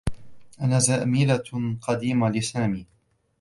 أنا زميلة قديمة لسامي.